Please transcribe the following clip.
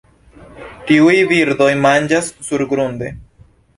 Tiuj birdoj manĝas surgrunde.